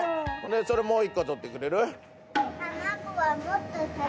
それもう１個取ってくれる？